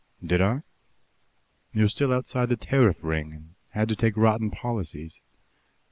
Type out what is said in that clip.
"Did I? It was still outside the Tariff Ring, and had to take rotten policies.